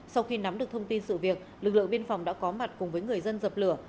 sau khi nắm được thông tin sự việc lực lượng biên phòng đã có mặt cùng với người dân dập lửa